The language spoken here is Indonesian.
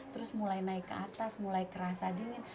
terus mulai naik ke atas mulai kerasa dingin